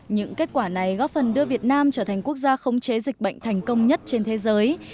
những kết quả này góp phần đưa việt nam trở thành quốc gia khống chế dịch bệnh thành công nhất trên thế giới